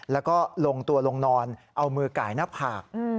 แล้วก็ลงตัวลงนอนเอามือไก่หน้าผาก